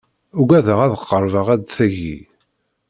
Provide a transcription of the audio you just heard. Ugadeɣ ad qerbeɣ ad tagi.